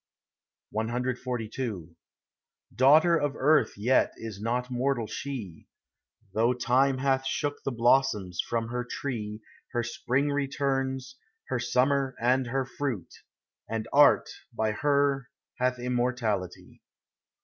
CXLII Daughter of earth yet is not mortal she, Though time hath shook the blossoms from her tree, Her spring returns, her summer and her fruit, And Art by her hath Immortality.